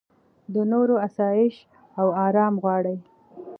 د نورو اسایش او ارام غواړې.